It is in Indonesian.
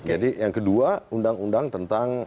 jadi yang kedua undang undang tentang